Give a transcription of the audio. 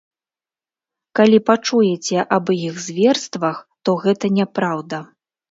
Калі пачуеце аб іх зверствах, то гэта няпраўда.